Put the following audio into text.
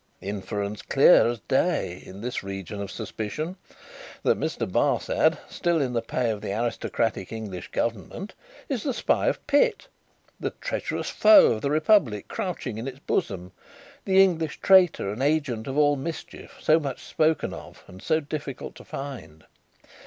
Inference clear as day in this region of suspicion, that Mr. Barsad, still in the pay of the aristocratic English government, is the spy of Pitt, the treacherous foe of the Republic crouching in its bosom, the English traitor and agent of all mischief so much spoken of and so difficult to find.